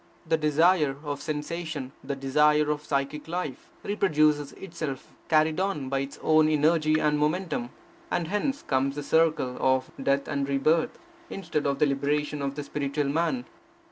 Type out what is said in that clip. The desire of sensation, the desire of psychic life, reproduces itself, carried on by its own energy and momentum; and hence comes the circle of death and rebirth, death and rebirth, instead of the liberation of the spiritual man.